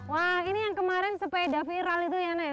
wah ini yang kemarin sepeda viral itu ya naya